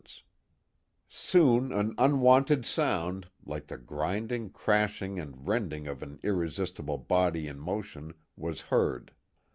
398 The Mohawk Valley Soon an unwonted sound, like the grinding, crashifij rending of an irresistible body in motion, was heard.